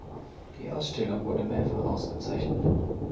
Die Ausstellung wurde mehrfach ausgezeichnet.